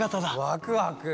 ワクワク。